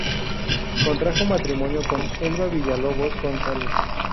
Contrajo matrimonio con Elba Villalobos González.